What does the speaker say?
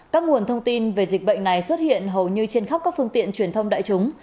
các nguồn thông tin về dịch bệnh này xuất hiện hầu như trên khắp các phương tiện truyền thông đại chúng